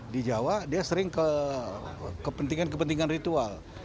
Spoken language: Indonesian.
di jawa dia sering kepentingan kepentingan ritual